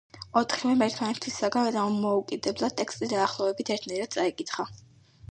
ოთხივემ ერთმანეთისაგან დამოუკიდებლად ტექსტი დაახლოებით ერთნაირად წაიკითხა.